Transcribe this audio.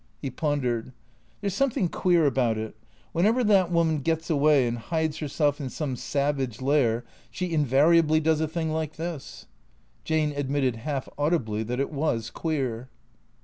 He pondered. " There 's something queer about it. Whenever that woman gets away and hides herself in some savage lair she invariably does a thing like this." Jane admitted half audibly that it was queer.